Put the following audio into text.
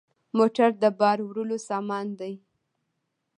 موټر د بار وړلو سامان دی.